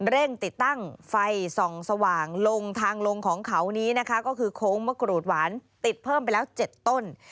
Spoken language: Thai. เร่งติดตั้งไฟส่องสว่างลงทางลงของเขานี้นะคะก็คือโค้งมะกรูดหวานติดเพิ่มไปแล้ว๗ต้น